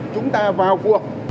chúng ta vào cuộc